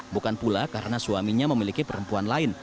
bukan pula karena suaminya memiliki perempuan lain